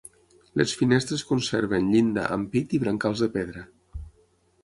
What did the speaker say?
Les finestres conserven llinda, ampit i brancals de pedra.